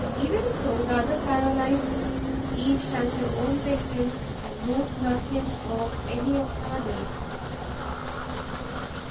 Even so the other paralyzers. Each has her own victim and knows nothing of any of the others.